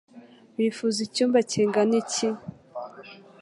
Wifuza icyumba kingana iki?